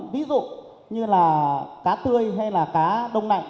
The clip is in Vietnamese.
ví dụ như là cá tươi hay là cá đông lạnh